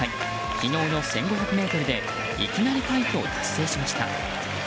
昨日の１５００ｍでいきなり快挙を達成しました。